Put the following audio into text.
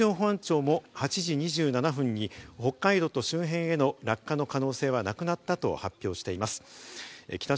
そして海上保安庁も８時２７分に北海道と周辺への落下の可能性はなくなったと発表しています。